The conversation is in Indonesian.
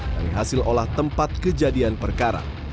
dari hasil olah tempat kejadian perkara